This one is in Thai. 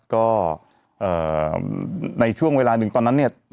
ก็ในช่วงเวลาหนึ่งตอนนั้นเนี่ย